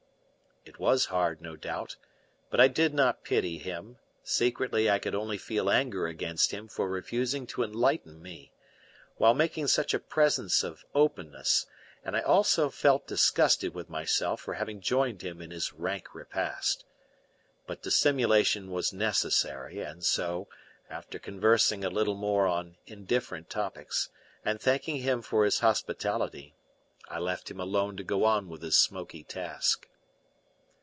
It was hard, no doubt, but I did not pity him; secretly I could only feel anger against him for refusing to enlighten me, while making such a presence of openness; and I also felt disgusted with myself for having joined him in his rank repast. But dissimulation was necessary, and so, after conversing a little more on indifferent topics, and thanking him for his hospitality, I left him alone to go on with his smoky task.